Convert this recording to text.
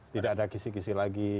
tidak ada kisih kisih lagi